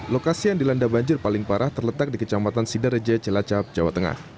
lokasi yang dilanda banjir paling parah terletak di kecamatan sidareja cilacap jawa tengah